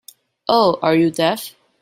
Or are you deaf?